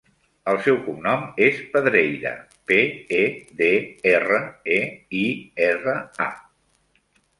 El seu cognom és Pedreira: pe, e, de, erra, e, i, erra, a.